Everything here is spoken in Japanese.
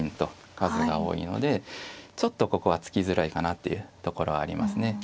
数が多いのでちょっとここは突きづらいかなっていうところはありますね。